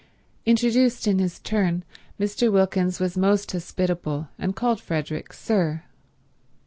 Introduced in his turn, Mr. Wilkins was most hospitable and called Frederick "sir."